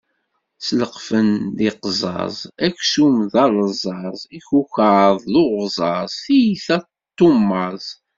Sleqfen d iqzaẓ, aksum d aleẓẓaẓ, ikukaḍ d uɣẓaẓ, tiyita n tummaẓ.